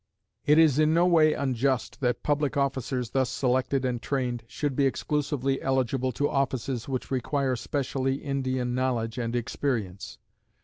It is in no way unjust that public officers thus selected and trained should be exclusively eligible to offices which require specially Indian knowledge and experience.